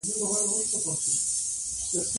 پښتو پنځه لوی ستوري لري.